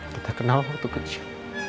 kita kenal waktu kerja